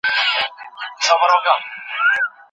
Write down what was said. کله انسان د خپلو زحمتونو په رښتیني ارزښت په سمه توګه پوهېږي؟